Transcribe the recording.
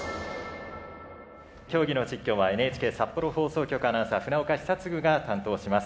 競技の実況はＮＨＫ札幌放送局アナウンサー船岡久嗣が担当します。